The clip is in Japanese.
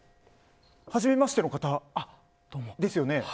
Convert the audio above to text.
はじめましての方ですよね。